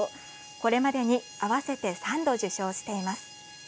これまでに合わせて３度、受賞しています。